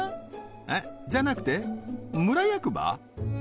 えっ？じゃなくて村役場？